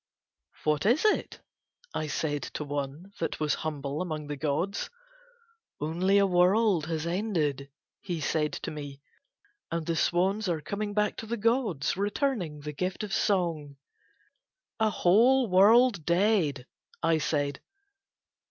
"What is it?" I said to one that was humble among the gods. "Only a world has ended," he said to me, "and the swans are coming back to the gods returning the gift of song." "A whole world dead!" I said.